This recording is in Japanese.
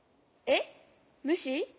えっむし？